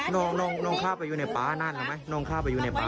น้องน้องน้องฆ่าไปอยู่ในป๊านั่นเหรอไหมน้องฆ่าไปอยู่ในป๊า